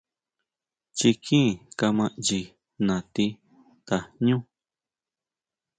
Chikín kama ʼnyi natí tajñú.